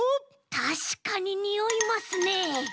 たしかににおいますね。